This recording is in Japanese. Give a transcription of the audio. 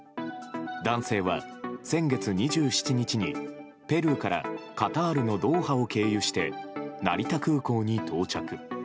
男性は先月２７日にペルーからカタールのドーハを経由して成田空港に到着。